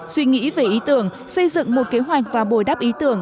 suy nghĩ về ý tưởng xây dựng một kế hoạch và bồi đáp ý tưởng